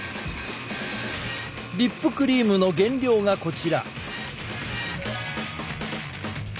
リップクリームの原料がこちら。